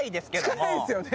近いですよね。